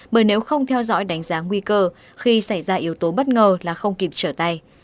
bởi nếu không theo dõi đánh giá nguy cơ khi xảy ra yếu tố bất ngờ là không kịp trở tay